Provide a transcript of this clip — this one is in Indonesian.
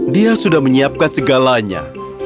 dia sudah menyiapkan segalanya